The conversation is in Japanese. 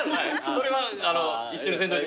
それは一緒にせんといて。